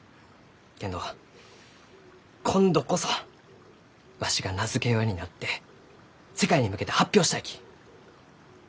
けんど今度こそわしが名付け親になって世界に向けて発表したいき。